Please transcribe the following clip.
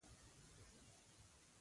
پښتو ته باید په هره برخه کې کار وشي.